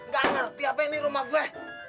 gak ngerti apa ini rumah gue